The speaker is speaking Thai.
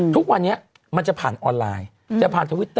ทุกวันนี้มันจะผ่านออนไลน์จะผ่านทวิตเต